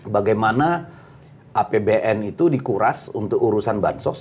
bagaimana apbn itu dikuras untuk urusan bansos